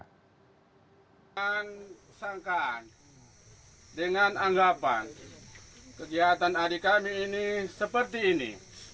dengan sangkaan dengan anggapan kegiatan adik kami ini seperti ini